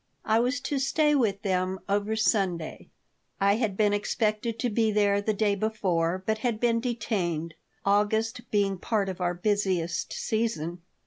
I was to stay with them over Sunday. I had been expected to be there the day before, but had been detained, August being part of our busiest season.